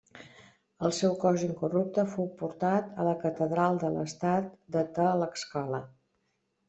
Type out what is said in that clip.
El seu cos incorrupte fou portat a la catedral de l'Estat de Tlaxcala.